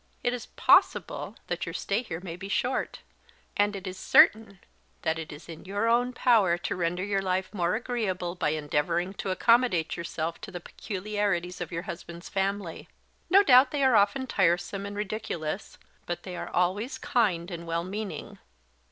It is possible that your stay here may be short; and it is certain that it is in your own power to render your life more agreeable by endeavouring to accommodate yourself to the peculiarities of your husband's family. No doubt they are often tiresome and ridiculous; but they are always kind and well meaning."